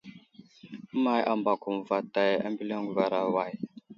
Əway ambako məvətay ambiliŋgwera way ?